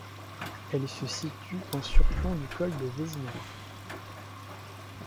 Elle se situe en surplomb du col de Vésinaz.